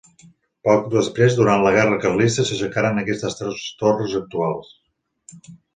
Poc després, durant la Guerra carlista s'aixecaren aquestes tres torres actuals.